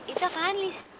itu apaan liz